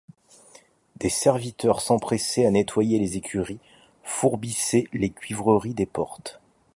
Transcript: Des serviteurs, s'empressaient à nettoyer les écuries, fourbissaient les cuivreries des portes.